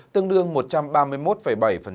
tương đương một trăm ba mươi một bảy diện